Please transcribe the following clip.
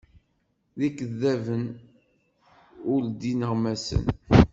D ikeddaben, ur d ineɣmasen.